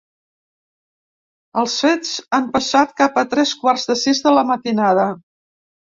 Els fets han passat cap a tres quarts de sis de la matinada.